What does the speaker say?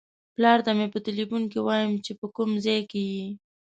پلار ته مې په ټیلیفون کې وایم چې په کوم ځای کې یې.